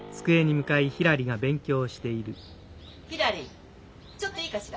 ひらりちょっといいかしら？